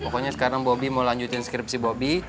pokoknya sekarang bobi mau lanjutin skripsi bobi